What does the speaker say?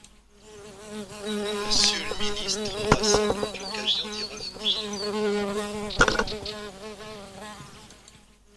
Monsieur le ministre aura sans doute l’occasion d’y revenir.